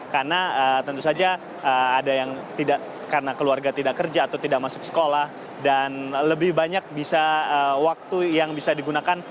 karena tentu saja ada yang karena keluarga tidak kerja atau tidak masuk sekolah dan lebih banyak bisa waktu yang bisa digunakan